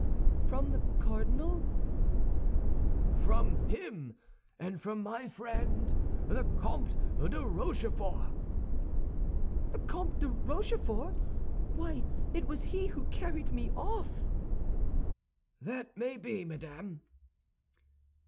"From the cardinal?" "From him, and from my friend the Comte de Rochefort." "The Comte de Rochefort! Why, it was he who carried me off!" "That may be, madame!"